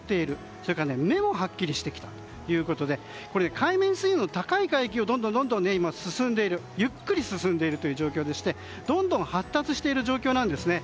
それから目がはっきりしてきたということで海面水温が高い海域をどんどんとゆっくり進んでいるという状況でしてどんどん発達している状況なんですね。